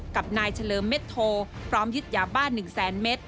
กับนายเฉลิมเม็ดโทพร้อมยึดยาบ้าน๑แสนเมตร